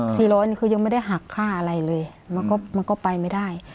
ร้อยนี่คือยังไม่ได้หักค่าอะไรเลยมันก็มันก็ไปไม่ได้